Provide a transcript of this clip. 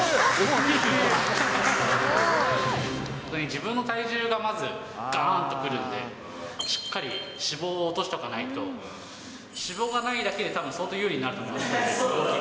自分の体重がまずがーんとくるので、しっかり脂肪を落としておかないと、脂肪がないだけでたぶん、相当有利になると思います。